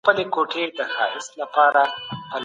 قصاص د اسلام عدل دی.